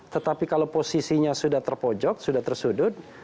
tetapi kalau posisinya sudah terpojok sudah tersudut